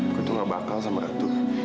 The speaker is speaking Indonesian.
aku tuh nggak bakal sama ratu